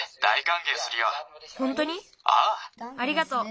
ありがとう。